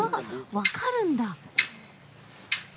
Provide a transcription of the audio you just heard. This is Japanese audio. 分かるんだ！